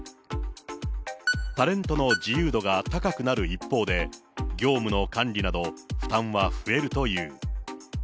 タレントの自由度が高くなる一方で、業務の管理など、負担は増えるという。